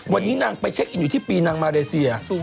วันนี้นางไปเช็คอินอยู่ที่ปีนางมาเลเซีย